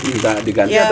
minta diganti atau gimana